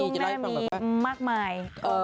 ช่วงแม่มีมากมาย